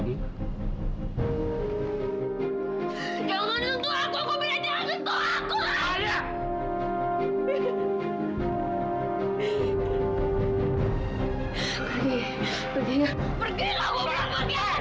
tati ini yang telah melihat capa duit